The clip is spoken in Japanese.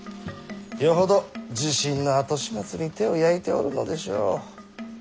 よほど地震の後始末に手を焼いておるのでしょう。